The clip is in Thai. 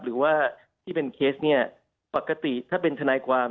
หรือว่าที่เป็นเคสเนี่ยปกติถ้าเป็นทนายความ